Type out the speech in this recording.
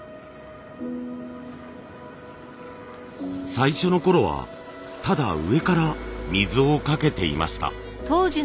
最初のころはただ上から水をかけていました。